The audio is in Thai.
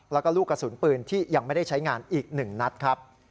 แล้วก็ลูกกระสุนปืนที่ยังไม่ได้ใช้งานอีก๑นัดครับ